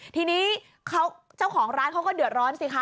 ทีนี้เจ้าของร้านเขาก็เดือดร้อนสิคะ